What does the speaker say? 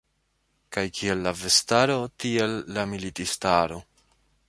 Kaj kiel la vestaro, tiel la militistaro.